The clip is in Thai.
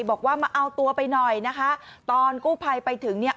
บอกว่ามาเอาตัวไปหน่อยนะคะตอนกู้ภัยไปถึงเนี่ย